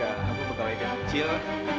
aku juga bakal lagi kecil